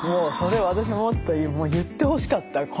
それ私もっと言ってほしかった。